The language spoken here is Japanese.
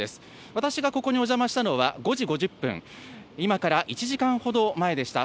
私がここにお邪魔したのは５時５０分、今から１時間ほど前でした。